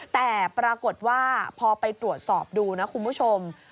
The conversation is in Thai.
แต่ปรากฏว่าพอไปตรวจสอบดูนะคุณผู้ชม